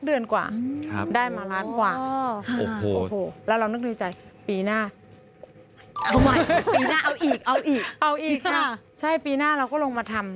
เอาอีกค่ะใช่ปีหน้าเราก็ลงมาทำ